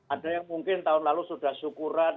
ada yang mungkin tahun lalu sudah syukuran